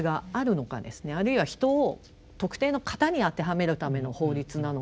あるいは人を特定の型に当てはめるための法律なのかと。